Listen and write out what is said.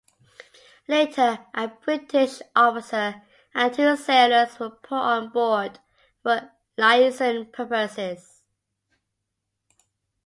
Later, a British officer and two sailors were put on board for "liaison" purposes.